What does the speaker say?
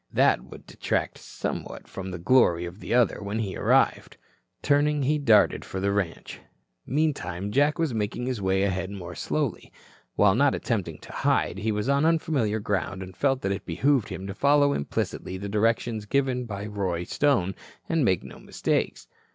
That would detract somewhat from the glory of the other when he arrived. Turning he darted for the ranch. Meantime, Jack was making his way ahead more slowly. While not attempting to hide, he was on unfamiliar ground and felt that it behooved him to follow implicitly the directions given by Roy Stone and make no mistakes.